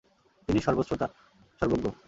তিনি সর্বশ্রোতা, সর্বজ্ঞ।